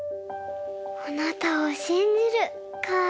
「あなたを信じる」かぁ。